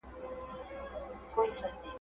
او پر ځان یې حرام کړي وه خوبونه !.